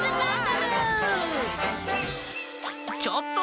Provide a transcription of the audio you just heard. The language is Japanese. ちょっと。